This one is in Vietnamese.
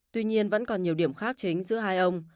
tuy nhiên vẫn còn nhiều điểm khác chính giữa hai ông